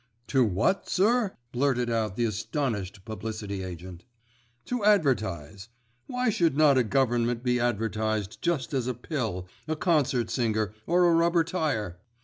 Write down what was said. "To what, sir?" blurted out the astonished publicity agent. "To advertise. Why should not a Government be advertised just as a pill, a concert singer, or a rubber tyre?